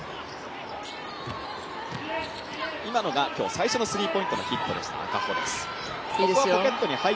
今のが最初のスリーポイントでした赤穂です。